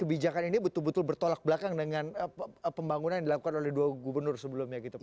kebijakan ini betul betul bertolak belakang dengan pembangunan yang dilakukan oleh dua gubernur sebelumnya gitu pak